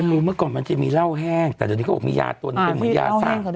เมื่อก่อนมันจะมีเหล้าแห้งแต่ตอนนี้เขาบอกมียาตัวนั้นเป็นยาสาด